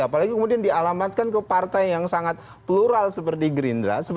apalagi kemudian dialamatkan ke partai yang sangat plural seperti gerindra